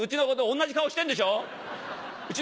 同じ顔してんでしょう？」。